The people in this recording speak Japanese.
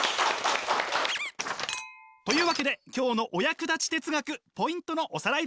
というわけで今日のお役立ち哲学ポイントのおさらいです。